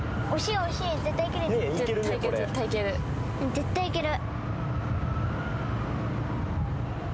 絶対いける。